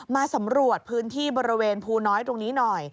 มาสำรวจพื้นที่บริเวณภูน้อยตรงนี้หน่อย